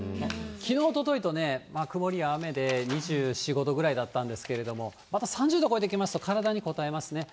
きのう、おとといとね、曇りや雨で２４、５度ぐらいだったんですけれども、また３０度超えてきますと、体にこたえますね。